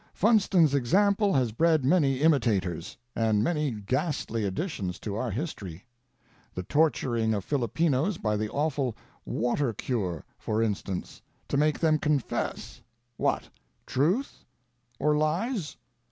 Funston's ex ample has bred many imitators, and many ghastly additions to our history: the torturing of Filipinos by the awful "water cure," for instance, to make them confess — what? Truth? Or lies